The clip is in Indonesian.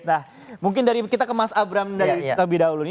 nah mungkin dari kita ke mas abram lebih dahulu